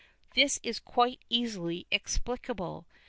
This is quite easily explicable.